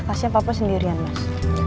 kasihnya papa sendirian mas